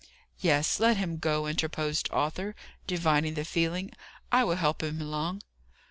"Yes, let him go," interposed Arthur, divining the feeling. "I will help him along."